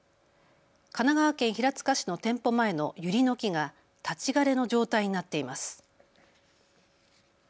神奈川県平塚市の店舗前のユリノキが立ち枯れの状態になっています。